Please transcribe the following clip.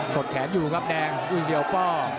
ดแขนอยู่ครับแดงอุ้ยเสียวป้อ